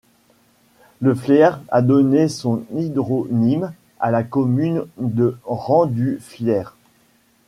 Le Fliers a donné son hydronyme à la commune de Rang-du-Fliers.